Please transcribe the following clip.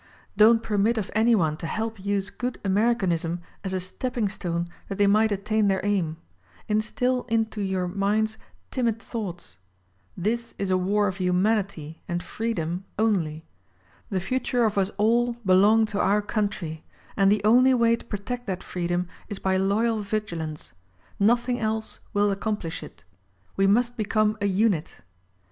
Don't permit of any one to help use good American ism as a stepping stone that they might attain their aim ; instill into your minds timid thoughts : This is a war of humanity and freedom onl}^ The future of us all belong to our country, and the only way to protect that free dom is by loyal vigilance; nothing else will accomplish it. We must become a "unit."